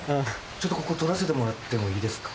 ちょっとここ撮らせてもらってもいいですか？